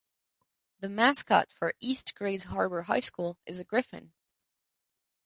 The mascot for East Grays Harbor High School is a Gryphon.